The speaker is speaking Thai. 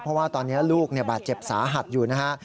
เพราะว่าตอนนี้ลูกบาดเจ็บสาหัสอยู่นะฮะ